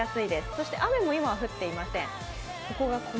そして雨も今は降っていません。